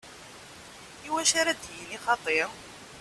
Iwacu ara d-yini xaṭi?